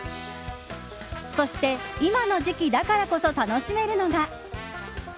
そして今の時期だからこそ楽しめるのが。